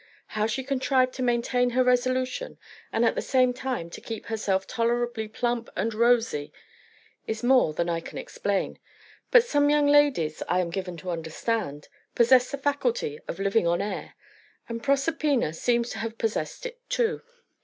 How she contrived to maintain her resolution, and at the same time to keep herself tolerably plump and rosy is more than I can explain; but some young ladies, I am given to understand, possess the faculty of living on air, and Proserpina seems to have possessed it too.